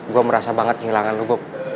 gue merasa banget kehilangan lo bob